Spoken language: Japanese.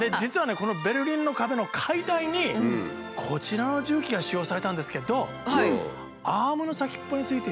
このベルリンの壁の解体にこちらの重機が使用されたんですけど。